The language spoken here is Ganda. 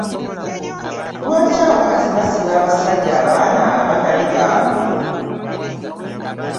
Lwaki abakazi basiba abasajja abaana abatali baabwe?